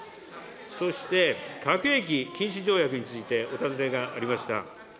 そして核兵器禁止条約についてお尋ねがありました。